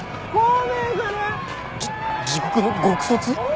じ地獄の獄卒？